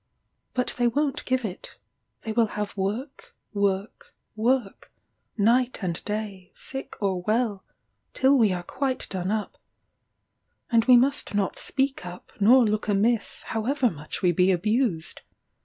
But they won't give it: they will have work work work, night and day, sick or well, till we are quite done up; and we must not speak up nor look amiss, however much we be abused.